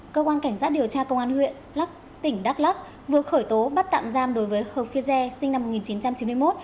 cơ quan cảnh sát điều tra công an huyện lắk tỉnh đắk lắk vừa khởi tố bắt tạm giam đối với hợp phía gia sinh năm một nghìn chín trăm chín mươi một